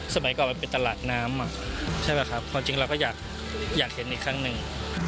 สมัยก่อนมันเป็นตลาดน้ำใช่ป่ะครับความจริงเราก็อยากเห็นอีกครั้งหนึ่ง